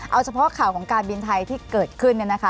เอาเฉพาะข่าวของการบินไทยที่เกิดขึ้น